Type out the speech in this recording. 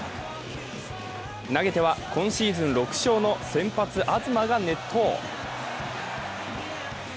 投げては今シーズン６勝の先発・東が熱投。